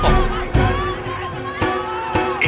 bu di selip selip